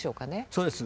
そうです。